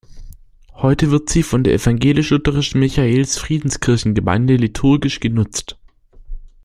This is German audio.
Heute wird sie von der evangelisch-lutherischen Michaelis-Friedens-Kirchgemeinde liturgisch genutzt.